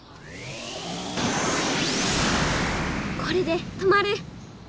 これで止まる！